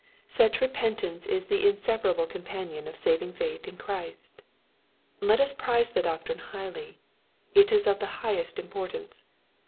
Such repentance is the inseparable companion of saving faith in Christ. Let us prize the doctrine highly. It is of the highest importance.